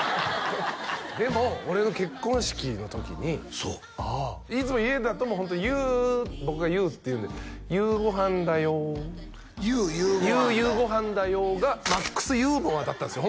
でも俺の結婚式の時にそういつも家だともうホントに僕が佑っていうんで佑夕ご飯「佑夕ご飯だよ」がマックスユーモアだったんですよ